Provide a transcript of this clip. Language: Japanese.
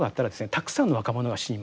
たくさんの若者が死にます。